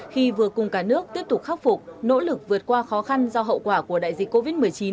khi vừa cùng cả nước tiếp tục khắc phục nỗ lực vượt qua khó khăn do hậu quả của đại dịch covid một mươi chín